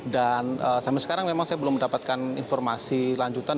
dan sampai sekarang memang saya belum mendapatkan informasi lanjutan